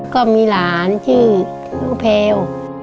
ก็มีหลานชื่อน้องแพลว